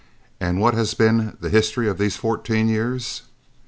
And what has been the history of these fourteen years?